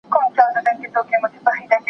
پر غوټیو به راغلی، خزان وي، او زه به نه یم